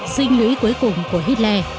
dinh lũy cuối cùng của hitler